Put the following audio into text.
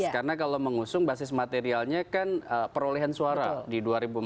karena kalau mengusung basis materialnya kan perolehan suara di dua ribu empat belas